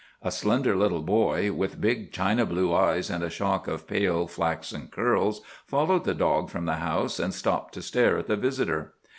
A slender little boy, with big china blue eyes and a shock of pale, flaxen curls, followed the dog from the house and stopped to stare at the visitor.